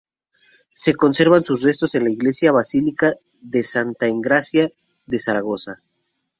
Se conservan sus restos en la iglesia basílica de Santa Engracia de Zaragoza.